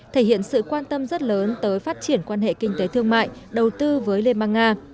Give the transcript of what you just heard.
thể hiện sự quan tâm rất lớn tới phát triển quan hệ kinh tế thương mại đầu tư với liên bang nga